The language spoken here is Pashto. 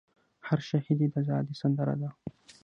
هر شهید ئې د ازادۍ سندره ده